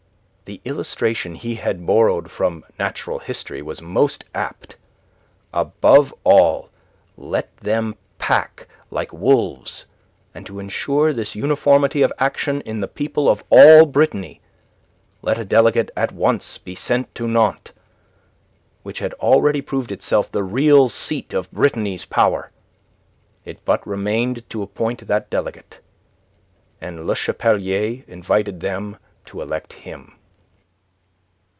The illustration he had borrowed from natural history was most apt. Above all, let them pack like the wolves, and to ensure this uniformity of action in the people of all Brittany, let a delegate at once be sent to Nantes, which had already proved itself the real seat of Brittany's power. It but remained to appoint that delegate, and Le Chapelier invited them to elect him.